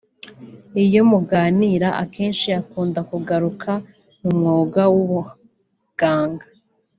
Iyo muganira akenshi akunda kugaruka ku mwuga w’ubuganga